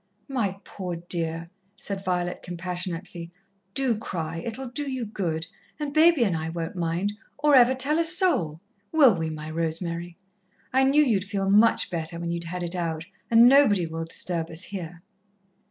"My poor dear!" said Violet compassionately. "Do cry it'll do you good, and Baby and I won't mind, or ever tell a soul, will we, my Rosemary? I knew you'd feel much better when you'd had it out, and nobody will disturb us here."